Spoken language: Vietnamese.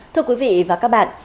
thưa quý vị và các bạn